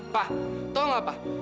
pak tau gak pak